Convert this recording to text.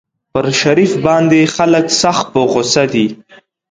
پر شريف باندې خلک سخت په غوسه دي.